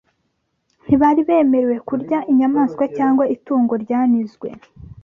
Ntibari bemerewe kurya inyamaswa cyangwa itungo ryanizwe